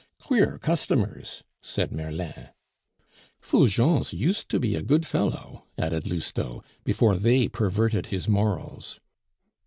"Queer customers!" said Merlin. "Fulgence used to be a good fellow," added Lousteau, "before they perverted his morals."